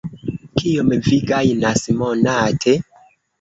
Kiom vi gajnas monate?